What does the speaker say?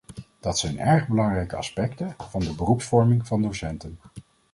Dat zijn erg belangrijke aspecten van de beroepsvorming van docenten.